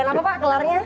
bulan apa pak kelarnya